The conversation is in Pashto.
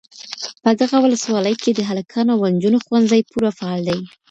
په دغه ولسوالۍ کي د هلکانو او نجونو ښوونځي پوره فعال دي.